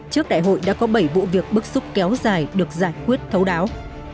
trước đại hội đã có bảy vụ việc bức xúc kéo dài được giải quyết thấu đáo